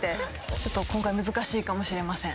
ちょっと今回難しいかもしれません。